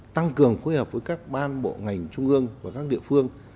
tăng cường phối hợp với các ban bộ ngành trung ương và các địa phương